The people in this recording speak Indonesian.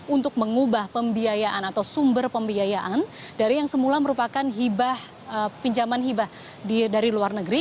untuk mengubah pembiayaan atau sumber pembiayaan dari yang semula merupakan pinjaman hibah dari luar negeri